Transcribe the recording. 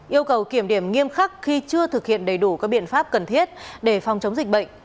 yêu cầu kiểm điểm nghiêm khắc khi chưa thực hiện đầy đủ các biện pháp cần thiết để phòng chống dịch bệnh